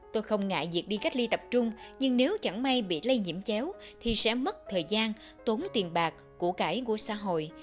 tôi không ngại việc đi cách ly tập trung nhưng nếu chẳng may bị lây nhiễm chéo thì sẽ mất thời gian tốn tiền bạc của cải của xã hội